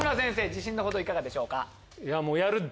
自信の程いかがでしょうか？